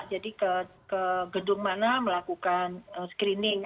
jadi ke gedung mana melakukan screening